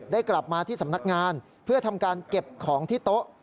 กลับมาที่สำนักงานเพื่อทำการเก็บของที่โต๊ะ